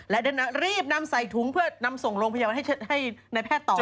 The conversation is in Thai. และรีบนำใส่ถุงเพื่อนำส่งโรงพยาบาลให้นายแพทย์ต่อ